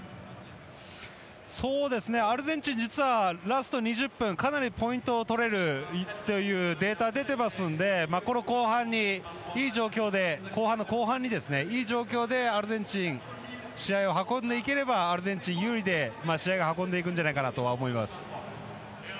アルゼンチン実はラスト２０分かなりポイントを取れるというデータ出てますのでこの後半の後半に、いい状況でアルゼンチン試合を運んでいければアルゼンチン有利で試合が運んでいくんじゃないかなと思います。